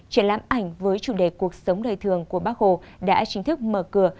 triển lãm ảnh với chủ đề cuộc sống đời thường của bác hồ đã chính thức mở cửa